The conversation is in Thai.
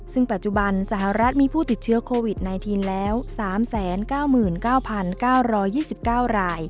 ซึ่งปัจจุบันสหรัฐมีผู้ติดเชื้อโควิด๑๙แล้ว๓๙๙๙๙๒๙ราย